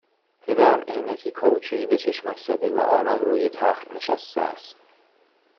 پدر عینکی کائوچویی به چشمش زده و آرام روی تخت نشسته است